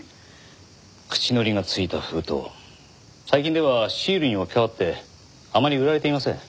口糊がついた封筒最近ではシールに置き換わってあまり売られていません。